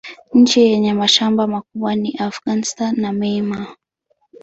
Nchi yenye mashamba makubwa ni Afghanistan na Myanmar.